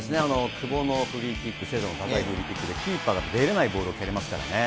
久保のフリーキック、精度の高いキックで、キーパーが出れないボールを蹴りますからね。